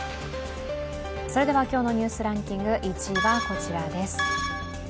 それでは今日の「Ｎスタ・ニュースランキング」１位はこちらです。